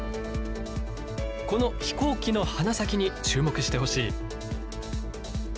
この飛行機の鼻先に注目してほしい。